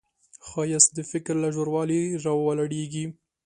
ښایست د فکر له ژوروالي راولاړیږي